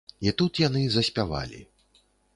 І тут яны заспявалі.